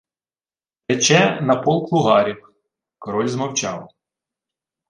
— Рече: на полк лугарів. Король змовчав.